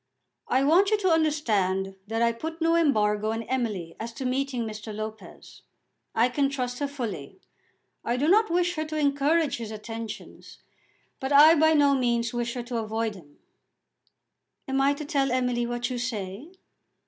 "I want you to understand that I put no embargo on Emily as to meeting Mr. Lopez. I can trust her fully. I do not wish her to encourage his attentions, but I by no means wish her to avoid him." "Am I to tell Emily what you say?"